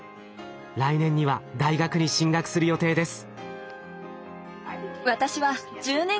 来年には大学に進学する予定です。